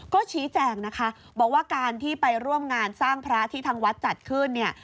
ก็ชี้แจงนะคะบอกว่าการที่ไปร่วมงานสร้างพระที่ทางวัดจัดขึ้นเนี่ย